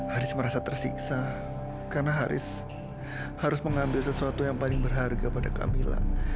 haris merasa tersiksa karena haris harus mengambil sesuatu yang paling berharga pada kamila